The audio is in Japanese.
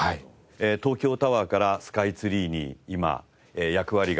東京タワーからスカイツリーに今役割が移行したと。